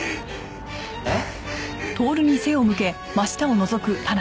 えっ？